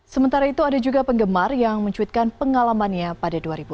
sementara itu ada juga penggemar yang mencuitkan pengalamannya pada dua ribu empat belas